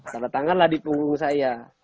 tanda tanganlah di punggung saya